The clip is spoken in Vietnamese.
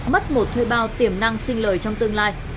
mất một thuê bao tiềm năng xin lời trong tổng đài